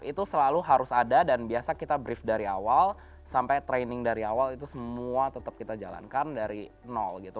itu selalu harus ada dan biasa kita brief dari awal sampai training dari awal itu semua tetap kita jalankan dari nol gitu